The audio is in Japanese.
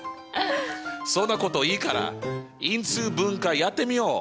そんなこといいから因数分解やってみよう！